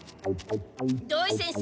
土井先生。